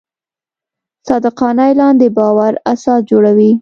صادقانه اعلان د باور اساس جوړوي.